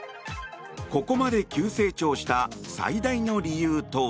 ここまで急成長した最大の理由とは。